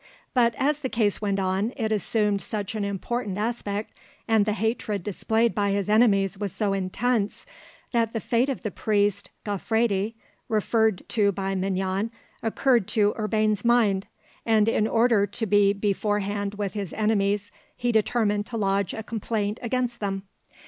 But as the case went on it assumed such an important aspect, and the hatred displayed by his enemies was so intense, that the fate of the priest Gaufredi, referred to by Mignon, occurred to Urbain's mind, and in order to be beforehand with his enemies he determined to lodge a complaint against them.